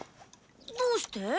どうして？